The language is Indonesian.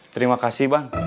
terima kasih bang